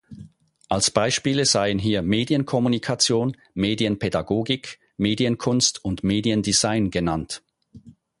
Als Beispiele seien hier Medienkommunikation, Medienpädagogik, Medienkunst und Mediendesign genannt.